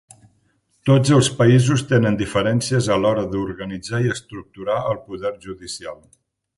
Tots els països tenen diferències a l’hora d’organitzar i estructurar el poder judicial.